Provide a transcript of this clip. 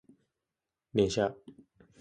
電車